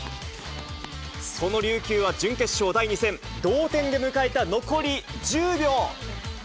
その琉球は準決勝第２戦、同点で迎えた残り１０秒。